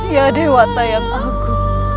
ya dewa tayang aku